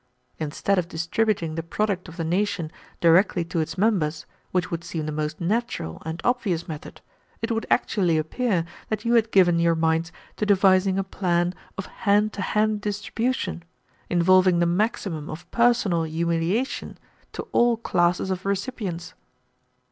Instead of distributing the product of the nation directly to its members, which would seem the most natural and obvious method, it would actually appear that you had given your minds to devising a plan of hand to hand distribution, involving the maximum of personal humiliation to all classes of recipients.